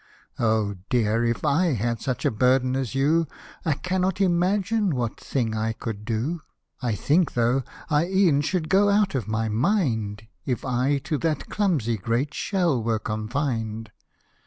" O dear ! if I had such a burden as you, I cannot imagine what thing I could do: I think, though, I e'en should go out of my mind, If I to that clumsy great shell were confined."